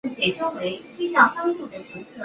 俄式压水反应炉所研发的压水反应炉。